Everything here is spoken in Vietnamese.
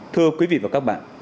thưa quý vị và các bạn